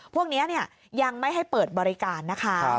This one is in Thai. พวกนี้ยังไม่ให้เปิดบริการนะคะ